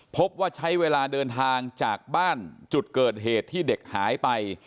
พบว่าใช้เวลาเดินทางจากบ้านจุดเกิดเหตุที่เด็กหายไป